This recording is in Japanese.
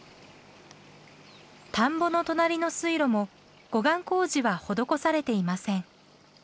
田んぼの隣の水路も護岸工事は施されていません。